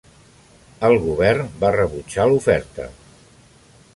El govern va rebutjar l'oferta.